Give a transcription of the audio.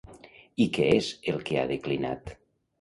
I què és el que ha declinat?